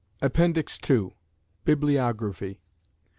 APPENDIX II. BIBLIOGRAPHY.